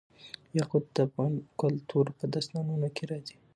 یاقوت د افغان کلتور په داستانونو کې راځي.